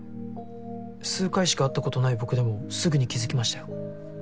数回しか会ったことない僕でもすぐに気付きましたよ。